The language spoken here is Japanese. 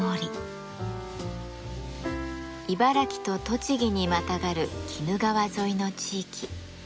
茨城と栃木にまたがる鬼怒川沿いの地域。